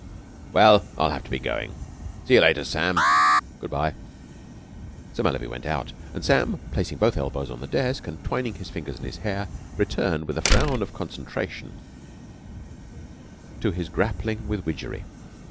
"Well, I'll have to be going. See you later, Sam." "Good bye." Sir Mallaby went out, and Sam, placing both elbows on the desk and twining his fingers in his hair, returned with a frown of concentration to his grappling with Widgery.